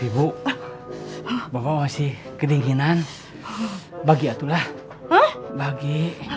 ibu bawa si kedinginan bagi atuh lah bagi